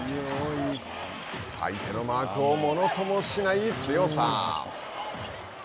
相手のマークをものともしない強さ。